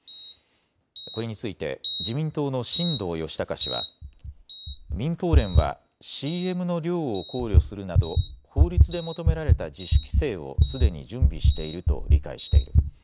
これについて自民党の新藤義孝氏は民放連はＣＭの量を考慮するなど法律で求められた自主規制をすでに準備していると理解している。